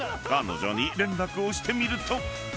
［彼女に連絡をしてみると］